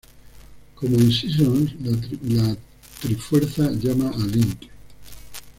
Como en "Seasons", la Trifuerza llama a Link.